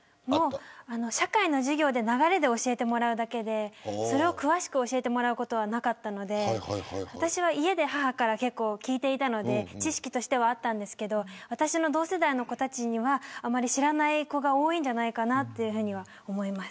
社会の授業で流れで教えてもらうだけで詳しく教えてもらうことはなかったので私は家で母から聞いていたので知識としてはあったんですけど私の同世代の子たちにはあまり知らない子が多いんじゃないかなというふうに思います。